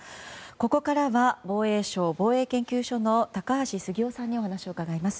ここからは防衛省防衛研究所の高橋杉雄さんにお話を伺います。